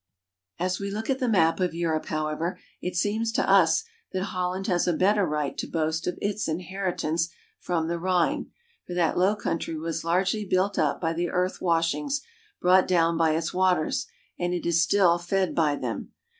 As we look at the map of Europe, however, it seems to us that Holland has a better right to boast of its inherit ance from the Rhine, for that low country was largely built up by the earth washings brought down by its waters, and it is still fed by them.